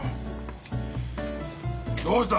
どうした？